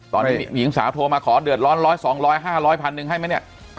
ตอนนี้หญิงสาวโทรมาขอเดือดร้อนร้อยสองร้อยห้าร้อยพันหนึ่งให้ไหมเนี่ย